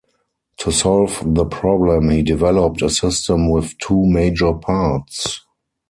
To solve the problem, he developed a system with two major parts.